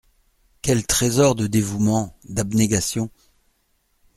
Quel trésor de dévouement, d’abnégation !